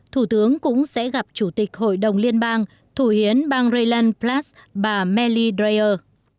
thủ tướng cũng sẽ gặp chủ tịch hội đồng liên bang thủ hiến bang rheinland plaz bà meli dreyer